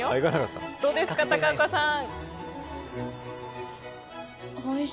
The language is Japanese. どうですか、高岡さん。